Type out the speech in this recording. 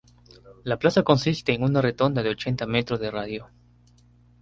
La plaza consiste en una rotonda de ochenta metros de radio.